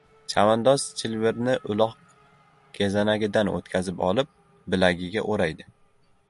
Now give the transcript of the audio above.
Chavandoz chilvirni uloq kezanagidan o‘tkazib olib, bilagiga o‘raydi.